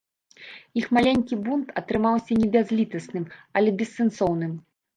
Іх маленькі бунт атрымаўся не бязлітасным, але бессэнсоўным.